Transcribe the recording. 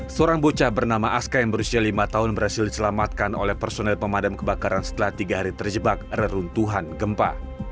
seorang bocah bernama aska yang berusia lima tahun berhasil diselamatkan oleh personel pemadam kebakaran setelah tiga hari terjebak reruntuhan gempa